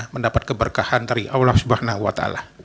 mendapat keberkahan dari allah swt